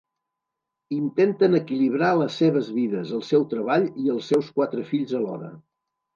Intenten equilibrar les seves vides, el seu treball, i els seus quatre fills alhora.